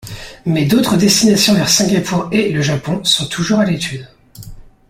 Mais d'autres destinations vers Singapour et le Japon sont toujours à l'étude.